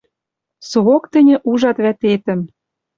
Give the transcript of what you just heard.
Соок тӹньӹ ужат вӓтетӹм